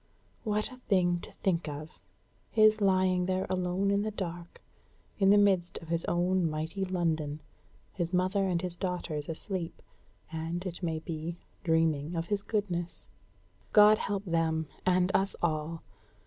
What a thing to think of, his lying there alone in the dark, in the midst of his own mighty London; his mother and his daughters asleep, and, it may be, dreaming of his goodness. God help them, and us all!